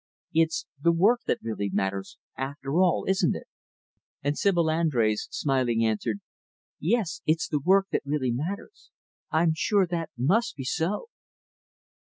It's the work that really matters after all isn't it?" And Sibyl Andrés, smiling, answered, "Yes, it's the work that really matters. I'm sure that must be so."